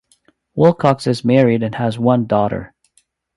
Wilcox is married and has one daughter.